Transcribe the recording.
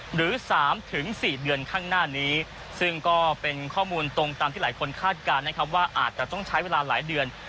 หรือ๓๔เดือนข้างหน้านี้ซึ่งก็เป็นข้อมูลตรงตามที่หลายคนคาดการณ์นะครับว่าอาจจะต้องใช้เวลาหลายเดือน